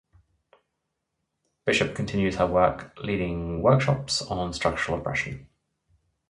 Bishop continues her work leading workshops on structural oppression.